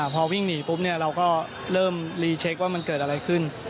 พอวิ่งหนีปุ๊บเราก็เริ่มรีเช็คว่ามันเกิดอะไรขึ้น